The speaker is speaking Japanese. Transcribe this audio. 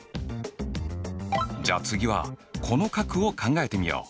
じゃあ次はこの角を考えてみよう！